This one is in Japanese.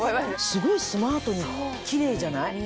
すごいスマートにキレイじゃない？